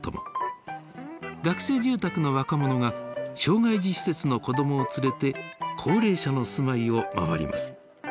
学生住宅の若者が障害児施設の子どもを連れて高齢者の住まいを回ります。